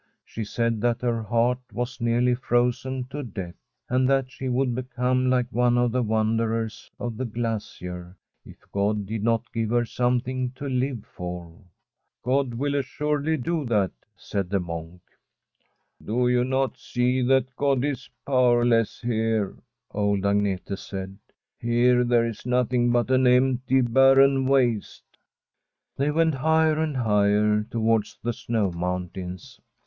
She said that her heart was nearly frozen to death, and that she would be come like one of the wanderers on the glacier if God did not give her something to live for. ' God will assuredly do that,' said the monk. * Do you not see that God is powerless here ?' old Agnete said. * Here there is nothing but an empty, barren waste.' They went higher and higher towards the snow mountains.